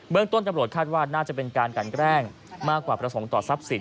ต้นตำรวจคาดว่าน่าจะเป็นการกันแกล้งมากกว่าประสงค์ต่อทรัพย์สิน